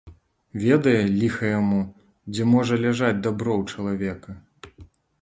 Ведае, ліха яму, дзе можа ляжаць дабро ў чалавека.